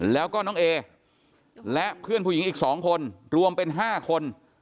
แล้วก็น้องเอและเพื่อนผู้หญิงอีก๒คนรวมเป็น๕คน